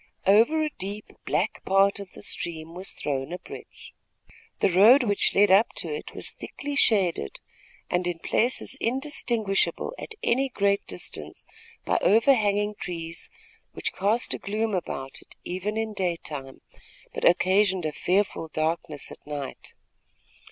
Over a deep, black part of the stream was thrown a bridge. The road which led up to it was thickly shaded, and in places indistinguishable at any great distance by overhanging trees, which cast a gloom about it, even in daytime, but occasioned a fearful darkness at night.